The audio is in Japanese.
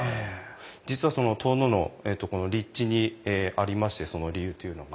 実は遠野のこの立地にありましてその理由っていうのが。